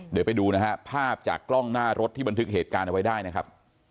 เดี๋ยวไปดูนะฮะภาพจากกล้องหน้ารถที่บันทึกเหตุการณ์เอาไว้ได้นะครับ